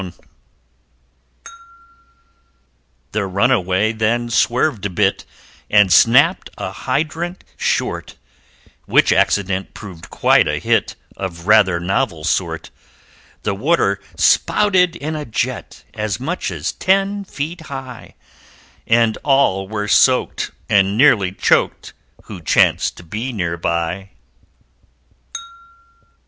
The runaway then swerved a bit And snapped a Hydrant, short; Which accident proved quite a hit Of rather novel sort The Water spouted in a jet As much as ten feet high, And all were soaked and nearly choked Who chanced to be nearby!